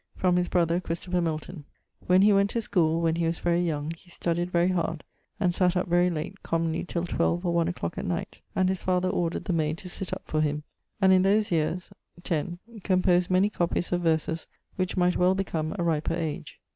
From his brother, Christopher Milton: when he went to schoole, when he was very young, he studied very hard, and sate up very late, commonly till 12 or one a clock at night, and his father ordered the mayde to sitt up for him, and in those yeares (10) composed many copies of verses which might well become a riper age.